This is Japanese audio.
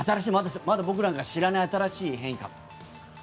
まだ僕らが知らない新しい変異株とか。